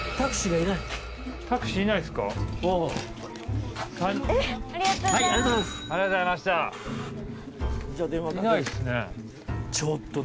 いないっすね。